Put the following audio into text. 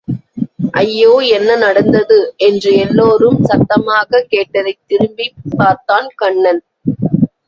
ஐயோ என்ன நடந்தது? என்று எல்லோரும் சத்தமாகக் கேட்டதைத் திரும்பிப் பார்த்தான் கண்ணன்.